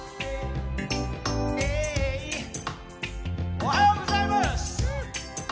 おはようございます。